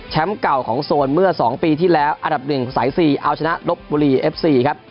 เก่าของโซนเมื่อ๒ปีที่แล้วอันดับหนึ่งสาย๔เอาชนะลบบุรีเอฟซีครับ